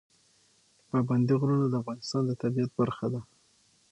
پابندی غرونه د افغانستان د طبیعت برخه ده.